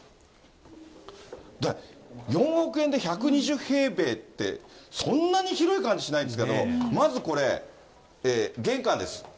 ４億円で１２０平米って、そんなに広い感じしないですけど、まずこれ、玄関です。